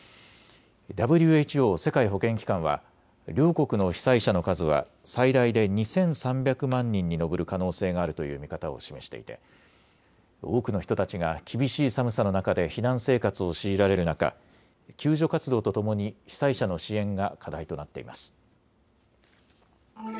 ＷＨＯ・世界保健機関は両国の被災者の数は最大で２３００万人に上る可能性があるという見方を示していて多くの人たちが厳しい寒さの中で避難生活を強いられる中、救助活動とともに被災者の支援が課題となっています。